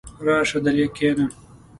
راشه دلې کښېنه!